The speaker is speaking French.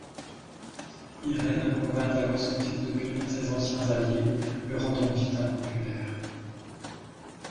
Irène convint alors son fils de punir ses anciens alliés, le rendant vite impopulaire.